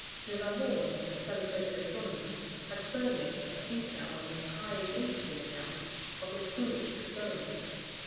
De la Lande, the celebrated astronomer, has furnished a detailed and highly interesting account of this foolish experiment.